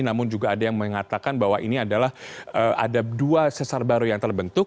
namun juga ada yang mengatakan bahwa ini adalah ada dua sesar baru yang terbentuk